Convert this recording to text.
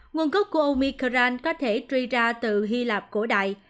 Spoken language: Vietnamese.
nguồn gốc của omicran có thể truy ra từ hy lạp cổ đại